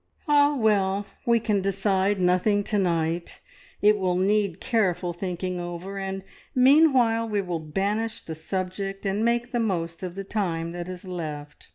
"Ah, well, we can decide nothing to night. It will need careful thinking over, and meanwhile we will banish the subject and make the most of the time that is left.